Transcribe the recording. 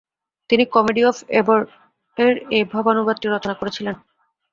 তিনি comedy of এবর-এর এই ভাবানুবাদটি রচনা করেছিলেন।